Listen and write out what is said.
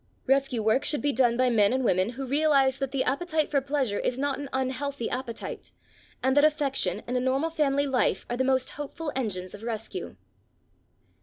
Rescue work should be done by men and women who realise that the appetite for pleasure is not an unhealthy appetite, and that affection and a normal family life are the most hopeful engines of rescue.